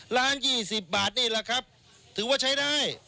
ล้าน๒๐บาทนี่แหละครับถือว่าใช้ได้